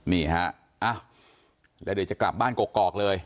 นี่ฮะอ้าวแล้วเดี๋ยวจะกลับบ้านกอกเลย